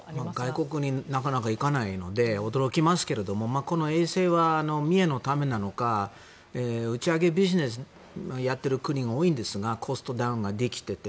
外国になかなか行かないので驚きますけどこの衛星は、見えのためなのか打ち上げビジネスをやっている国も多いんですがコストダウンができていて。